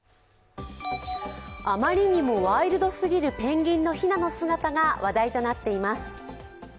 あまりにもワイルドすぎるペンギンのひなの姿が話題となっています。